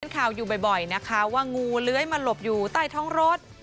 ข่าวอยู่บ่อยนะคะว่างูเลื้อยมาหลบอยู่ใต้ท้องรถ